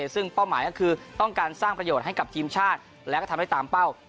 ซึ่งเป้าหมายก็คือต้องการสร้างประโยชน์ให้กับทีมชาติแล้วก็ทำได้ตามเป้า